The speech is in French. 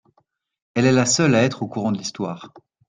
Elle est la seule à être au courant de l'histoire.